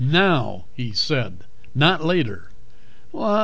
Now, he said, not later."